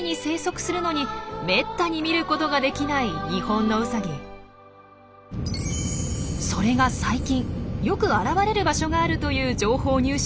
それが最近よく現れる場所があるという情報を入手した取材班。